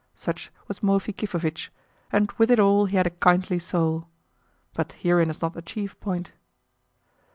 Such was Mofi Kifovitch; and with it all he had a kindly soul. But herein is not the chief point.